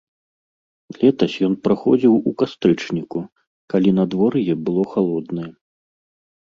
Летась ён праходзіў у кастрычніку, калі надвор'е было халоднае.